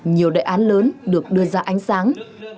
nhiều đại án lớn được đưa ra ánh sáng